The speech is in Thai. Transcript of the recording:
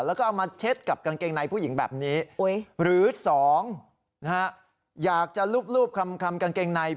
แล้วก็เอามาเช็ดกับกางเกงในผู้หญิงแบบนี้หรือ๒อยากจะรูปคำกางเกงใน